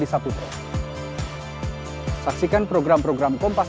sebelum ada prosesnya sebelum ada